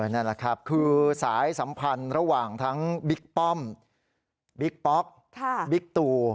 นั่นแหละครับคือสายสัมพันธ์ระหว่างทั้งบิ๊กป้อมบิ๊กป๊อกบิ๊กตู